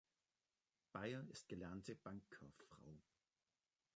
Beyer ist gelernte Bankkauffrau.